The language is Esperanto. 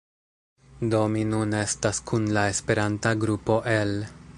Do mi nun estas kun la Esperanta grupo el